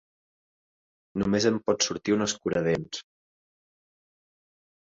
Només en pot sortir un escuradents.